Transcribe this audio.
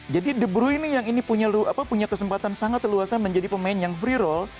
jadi the broing yang ini punya kesempatan sangat luasnya menjadi pemain yang free roll